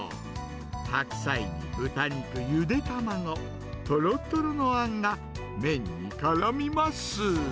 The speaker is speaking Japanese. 白菜に豚肉、ゆで卵、とろっとろのあんが麺に絡みます。